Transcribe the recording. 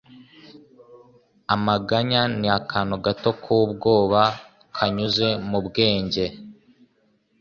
Amaganya ni akantu gato k'ubwoba kanyuze mu bwenge.